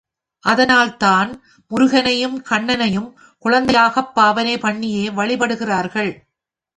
அதனால்தான் முருகனையும் கண்ணனையும் குழந்தையாகப் பாவனை பண்ணியே வழிபட்டிருக்கிறார்கள்.